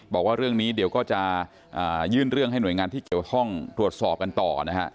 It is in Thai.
บอกว่าเรื่องนี้เดี๋ยวก็จะยื่นเรื่องให้หน่วยงานที่เกี่ยวข้องตรวจสอบกันต่อนะฮะ